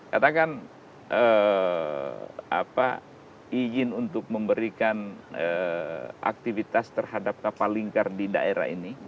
katakan izin untuk memberikan aktivitas terhadap kapal lingkar di daerah ini